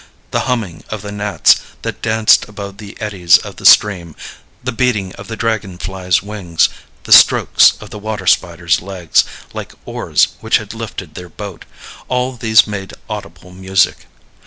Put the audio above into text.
The humming of the gnats that danced above the eddies of the stream, the beating of the dragon flies' wings, the strokes of the water spiders' legs, like oars which had lifted their boat all these made audible music.